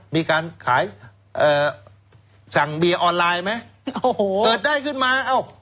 มีการขายเอ่อสั่งเบียร์ออนไลน์ไหมโอ้โหเกิดได้ขึ้นมาเอ้า